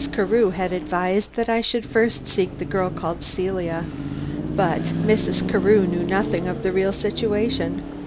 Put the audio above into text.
Carew had advised that I should first see the girl called Celia. But Mrs. Carew knew nothing of the real situation.